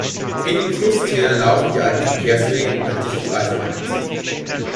In den Flusstälern laufen die alten Verkehrswege und ein dichtes Eisenbahnnetz.